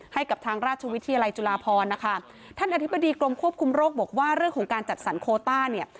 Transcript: ให้กับทางราชวิทยาลัยจุฬาพรนะคะท่านอธิบดีกรมควบคุมโรคบอกว่าเรื่องของการจัดสรรโคต้าเนี่ย